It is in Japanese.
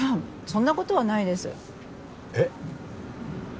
そんなことはないですえっ？